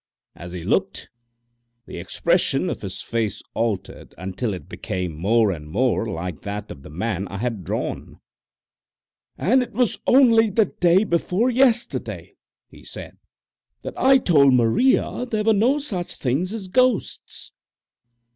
As he looked, the expression of his face altered until it became more and more like that of the man I had drawn. "And it was only the day before yesterday," he said, "that I told Maria there were no such things as ghosts!"